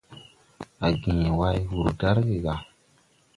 A gęę way wur darge ga.